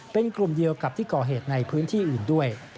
เป็นกลุ่มเดียวกับที่ก่อเหตุในพื้นที่อื่นด้วย